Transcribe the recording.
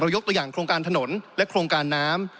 ยกตัวอย่างโครงการถนนและโครงการน้ำ